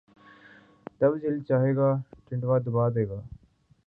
جب دل چاھے گا ، ٹنٹوا دبا دے گا